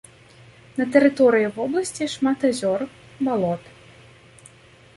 На тэрыторыі вобласці шмат азёр, балот.